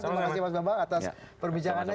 terima kasih mas bambang atas perbincangannya